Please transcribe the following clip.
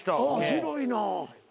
広いな。